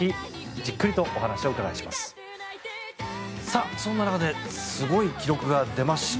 そんな中ですごい記録が出ました。